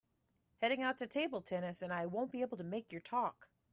Heading out to table tennis and I won’t be able to make your talk.